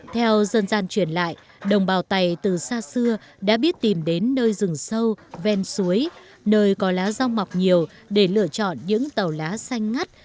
theo dân gian truyền lại đồng bào tày từ xa xưa đã biết tìm đến nơi rừng sâu ven suối nơi có lá rong mọc nhiều để lựa chọn những tàu lá xanh ngắt